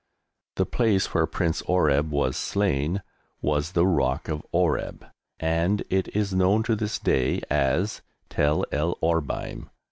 The place where Prince Oreb was slain was the rock of Oreb, and it is known to this day as "Tel el Orbaim."